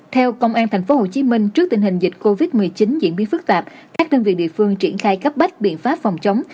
theo công an tp hcm trước tình hình dịch covid một mươi chín diễn biến phức tạp các đơn vị địa phương triển khai cấp bách biện pháp phòng chống